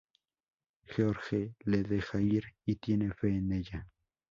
George le deja ir y tiene fe en ella.